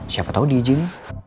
siapa tau dia ijin